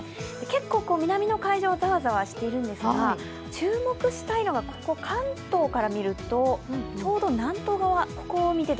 結構南の海上、ざわざわしているんですが、注目したいのが、関東から見るとちょうど南東側。